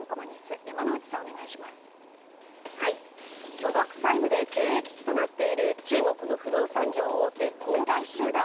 巨額債務で経営危機となっている中国の不動産業大手、恒大集団。